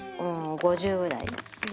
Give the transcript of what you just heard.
５０ぐらい。